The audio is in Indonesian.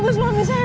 kamu di bawah